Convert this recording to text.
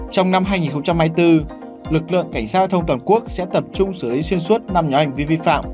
trong năm hai nghìn hai mươi bốn lực lượng cảnh sát giao thông toàn quốc sẽ tập trung xử lý xuyên suốt năm nhóm hành vi vi phạm